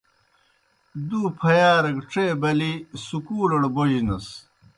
دْو پھیارہ گہ ڇے بلِی سکُولڑ بوجنَس۔